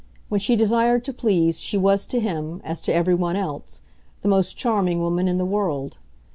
When she desired to please she was to him, as to everyone else, the most charming woman in the world.